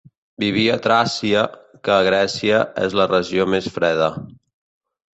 Vivia a Tràcia, que a Grècia és la regió més freda.